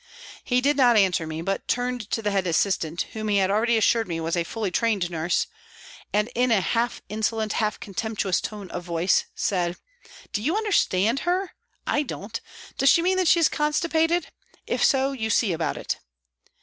He did not answer me, but turned to the head assistant, whom he had already assured me was a fully trained nurse, and in a half insolent, half contemptuous tone of voice, said :" Do you understand her ? I don't. Does WALTON GAOL, LIVERPOOL 281 she mean that she is constipated ? If so, you see about it."